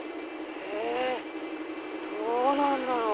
えどうなんだろう。